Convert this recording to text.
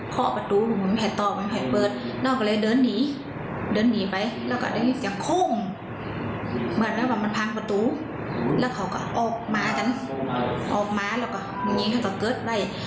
ขอบมาแล้วมุ่งนิ๊กก็เคิดไว้